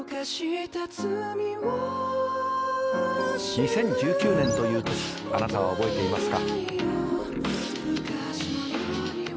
２０１９年という年あなたは覚えていますか？